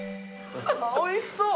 おいしそう！